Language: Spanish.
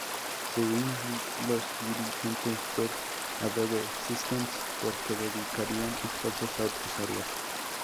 Según los dirigentes de Adobe Systems: ""Porque dedicarían esfuerzos a otras áreas"".